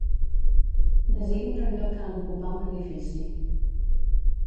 Designi el lloc que ha d'ocupar un edifici.